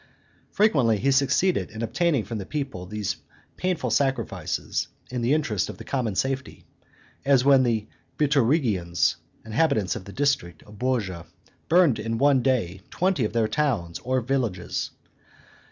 Frequently he succeeded in obtaining from the people those painful sacrifices in the interest of the common safety; as when the Biturigians (inhabitants of the district of Bourges) burned in one day twenty of their towns or villages.